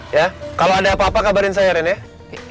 ya kalau ada apa apa kabarin saya ren ya